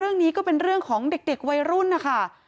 เรื่องนี้ก็เป็นเรื่องของเด็กวัยรุ่นนะคะ